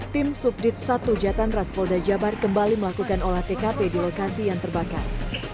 tim subdit satu jatan raspolda jabar kembali melakukan olah tkp di lokasi yang terbakar